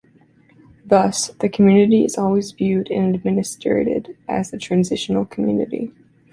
Thus, the community is always viewed and administrated as a transitional community.